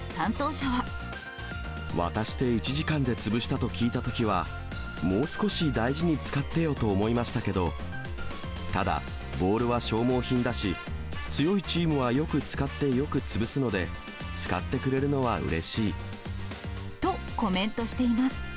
渡して１時間で潰したと聞いたときは、もう少し大事に使ってよと思いましたけど、ただ、ボールは消耗品だし、強いチームはよく使ってよく潰すので、と、コメントしています。